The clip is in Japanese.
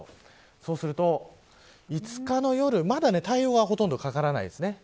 そうすると５日の夜まだ、ほとんど掛からないです。